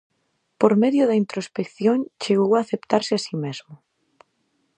Por medio da introspección chegou a aceptarse a si mesmo.